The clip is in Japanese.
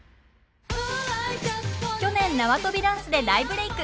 去年縄跳びダンスで大ブレイク！